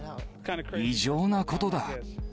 異常なことだ。